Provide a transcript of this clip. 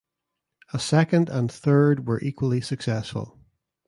A second and third were equally successful.